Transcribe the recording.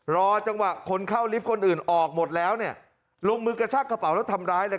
รอจังหวะคนเข้าลิฟต์คนอื่นออกหมดแล้วเนี่ยลงมือกระชากกระเป๋าแล้วทำร้ายเลย